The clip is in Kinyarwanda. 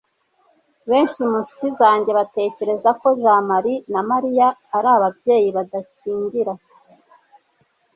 benshi mu nshuti zanjye batekereza ko jamali na mariya ari ababyeyi badakingira